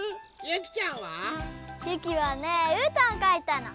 ゆきはねうーたんをかいたの。